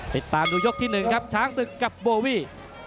ติดตามดูยกที่๑ครับช้างศึกกับโบวี่